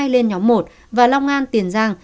lên nhóm một và long an tiền giang